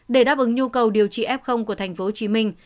để đáp ứng nhu cầu điều trị f của thành phố hồ chí minh